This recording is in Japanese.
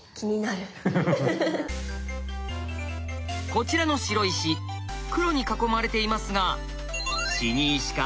こちらの白石黒に囲まれていますが分かりますか？